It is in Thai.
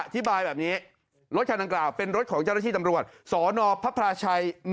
อธิบายแบบนี้รถคันดังกล่าวเป็นรถของเจ้าหน้าที่ตำรวจสนพระพลาชัย